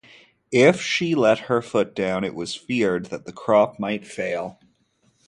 If she let her foot down, it was feared that the crop might fail.